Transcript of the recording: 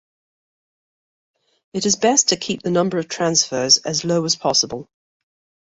It is best to keep the number of transfers as low as possible.